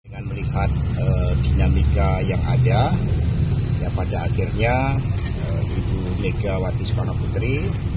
dengan melihat dinamika yang ada pada akhirnya ibu megawati soekarno putri